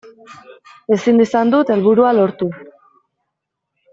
Ezin izan dut helburua lortu.